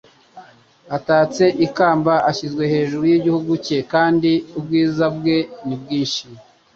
atatse ku ikamba ashyizwe hejuru y'igihugu cye, kandi ubwiza bwe ni bwinshi."